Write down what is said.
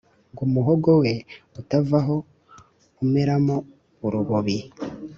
ngo umuhogo we utavaho umeramo urubobi,